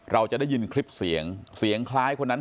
เราจะได้ยินคลิปเสียงเสียงคล้ายคนนั้น